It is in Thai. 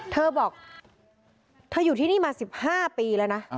เธอบอกเธออยู่ที่นี่มา๑๕ปีแล้วนะ